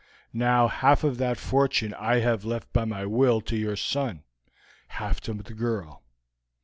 Now, half of that fortune I have left by my will to your son; half to the girl.